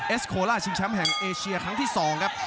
สโคล่าชิงแชมป์แห่งเอเชียครั้งที่๒ครับ